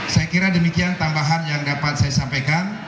saya kira demikian tambahan yang dapat saya sampaikan